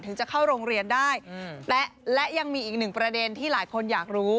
จะเข้าโรงเรียนได้และยังมีอีกหนึ่งประเด็นที่หลายคนอยากรู้